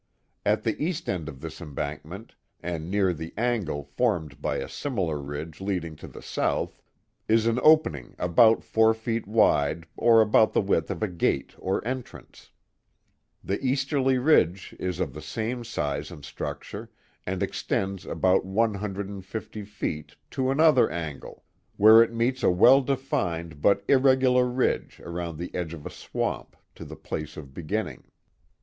At the east end of this embankment, and near the angle formed by a similar ridge leading to the south, is an opening about four feet wide or about the width of a gate or entrance. The east erly ridge is of the same size and structure, and extends about one hundred and fifty feet, to another angle, where it meets a Canagera, One of the Mohawks* Castles 305 well defined but irregular ridge around the edge of a swamp, to the place of beginning.